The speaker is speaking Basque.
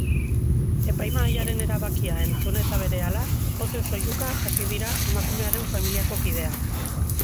Epaimahaiaren erabakia entzun eta berehala, pozez oihuka hasi dira emakumearen familiako kideak.